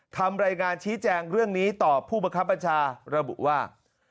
ทำรายงานชี้แจงเรื่องนี้ต่อผู้บังคับบัญชาระบุว่า